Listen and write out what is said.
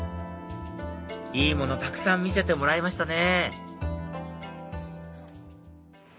いいものたくさん見せてもらいましたね